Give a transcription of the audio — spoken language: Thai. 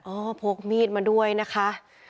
พกมีดมาด้วยนะคะ